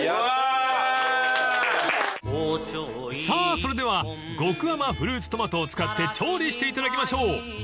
［さあそれでは極甘フルーツトマトを使って調理していただきましょう］